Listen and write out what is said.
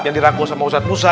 yang dirangkul sama ustadz musa